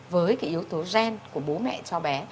với cái yếu tố gen của bố mẹ cho bé